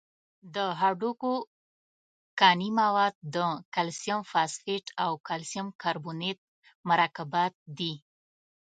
د هډوکو کاني مواد د کلسیم فاسفیټ او کلسیم کاربونیت مرکبات دي.